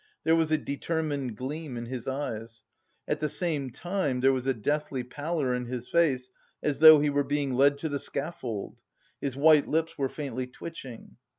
There was a determined gleam in his eyes; at the same time there was a deathly pallor in his face, as though he were being led to the scaffold. His white lips were faintly twitching.